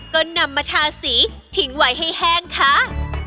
ก็นำมาทาสีทิ้งไว้ให้แห้งค้าง